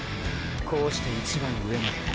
こうして一番上まで。